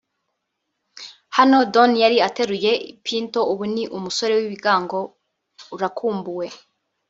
Hano Don yari ateruye Pinto (ubu ni umusore w’ibigango) […] Urakumbuwe